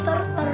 taruh dalam dot